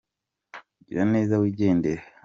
Gira neza wigendere.